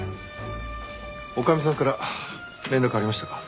女将さんから連絡ありましたか？